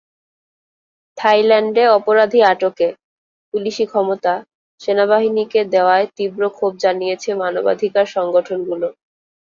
থাইল্যান্ডে অপরাধী আটকে পুলিশি ক্ষমতা সেনাবাহিনীকে দেওয়ায় তীব্র ক্ষোভ জানিয়েছে মানবাধিকার সংগঠনগুলো।